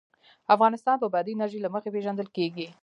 افغانستان د بادي انرژي له مخې پېژندل کېږي.